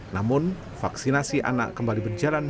namun vaksinasi anak kembali berjalan